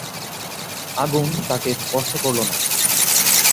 আগুন তাঁকে স্পর্শ করল না।